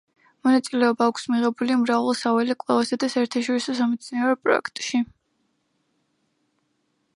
მონაწილეობა აქვს მიღებული მრავალ საველე კვლევასა და საერთაშორისო სამეცნიერო პროექტში.